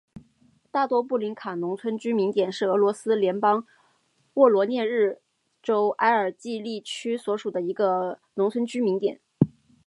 大多布林卡农村居民点是俄罗斯联邦沃罗涅日州埃尔季利区所属的一个农村居民点。